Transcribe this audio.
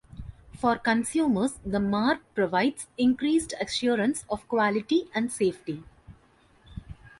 For consumers, the mark provides increased assurance of quality and safety.